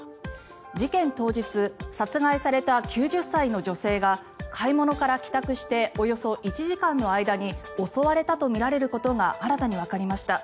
事件当日殺害された９０歳の女性が買い物から帰宅しておよそ１時間の間に襲われたとみられることが新たにわかりました。